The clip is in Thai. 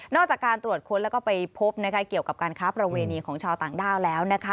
จากการตรวจค้นแล้วก็ไปพบเกี่ยวกับการค้าประเวณีของชาวต่างด้าวแล้วนะคะ